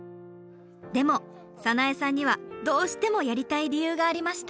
でも早苗さんにはどうしてもやりたい理由がありました。